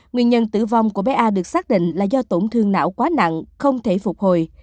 nguyên nhân tử vong của bé a được xác định là do tổn thương não quá nặng không thể phục hồi